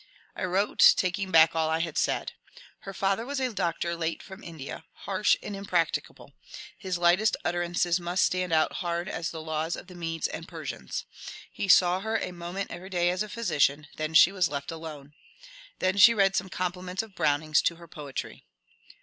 I wrote taking back all I had said. Her father was a doctor late from India — harsh and im practicable ; his lightest utterances must stand out hard as the laws of the Medes and Persians. He saw her a moment every day as a physician ; then she was left alone. Then she read some compliments of Browning's to her poetry.